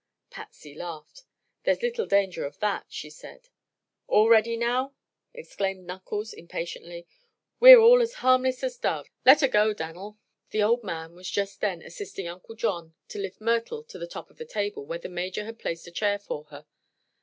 Patsy laughed. "There's little danger of that," she said. "All ready, now!" exclaimed Knuckles, impatiently. "We're all as harmless as doves. Let 'er go, Dan'l!" The old man was just then assisting Uncle John to lift Myrtle to the top of the table, where the Major had placed a chair for her.